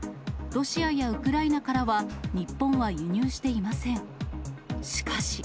ロシアやウクライナからは日本は輸入していません。